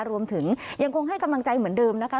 ยังคงให้กำลังใจเหมือนเดิมนะคะ